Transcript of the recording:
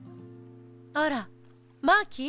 あらマーキー。